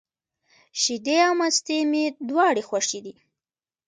شیدې او مستې مي دواړي خوښي دي.